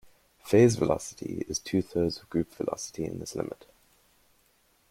Phase velocity is two thirds of group velocity in this limit.